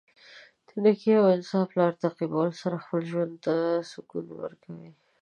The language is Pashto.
د نېکۍ او انصاف لار تعقیبولو سره خپله ژوند ته سکون ورکوي.